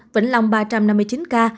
vĩnh long ba trăm năm mươi chín ca